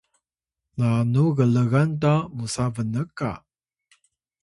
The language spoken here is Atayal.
nanu glgan ta musa Bnka?